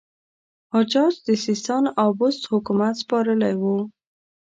حجاج د سیستان او بست حکومت سپارلی وو.